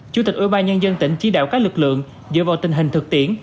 chủ tịch ủy ban nhân dân tỉnh chỉ đạo các lực lượng dựa vào tình hình thực tiễn